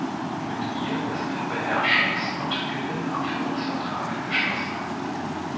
Mit ihr ist ein Beherrschungs- und Gewinnabführungsvertrag geschlossen.